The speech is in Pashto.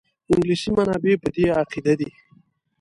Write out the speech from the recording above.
انګلیسي منابع په دې عقیده دي.